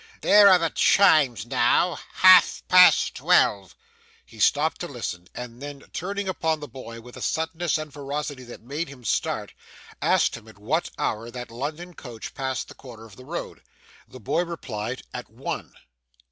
There are the chimes now, half past twelve.' He stopped to listen, and then turning upon the boy with a suddenness and ferocity that made him start, asked at what hour that London coach passed the corner of the road. The boy replied, at one.